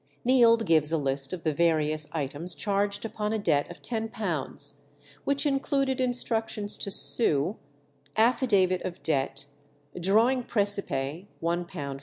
Neild gives a list of the various items charged upon a debt of £10, which included instructions to sue, affidavit of debt, drawing præcipe (£1 5_s.